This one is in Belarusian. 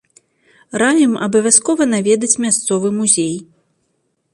Раім абавязкова наведаць мясцовы музей.